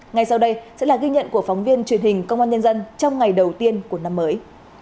ngay sau đây sẽ là ghi nhận của phóng viên truyền hình công an nhân dân trong ngày đầu tiên của năm mới